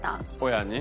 親に？